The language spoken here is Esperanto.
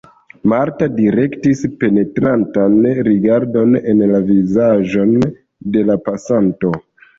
Marta direktis penetrantan rigardon en la vizaĝon de la pasanto.